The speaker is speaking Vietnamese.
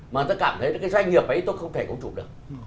mà người ta cảm thấy cái doanh nghiệp ấy tôi không thể có chủ được